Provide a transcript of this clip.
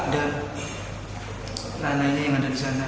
dan lain lainnya yang ada di sana